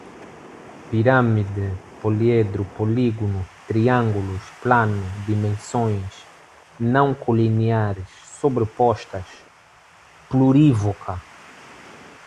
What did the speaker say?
pirâmide, poliedro, polígono, triângulos, plano, dimensões, não colineares, sobrepostas, plurívoca